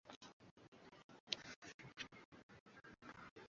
dhati kwasababu ilionekena itaatiri lugha zao za asili